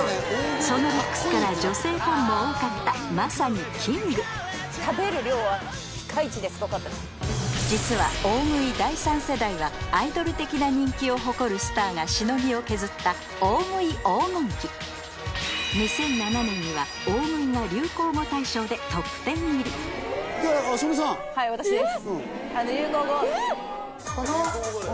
そのルックスから女性ファンも多かったまさにキング実は大食い第３世代はアイドル的な人気を誇るスターがしのぎを削った大食い黄金期２００７年には入り曽根さんはい私です